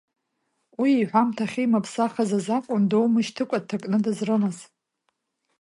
Уи иҳәамҭа ахьимԥсахыз азакәын доумышьҭыкәа дҭакны дызрымаз.